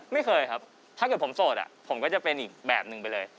ไม่เคยครับถ้าเกิดผมโสดผมก็จะเป็นอีกแบบหนึ่งไปเลย